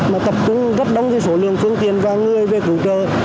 mà tập trung rất đông số lượng phương tiện và người về cứu trợ